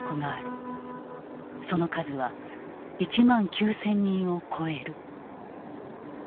その数は１万９，０００人を超える。